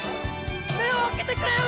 目を開けてくれよ！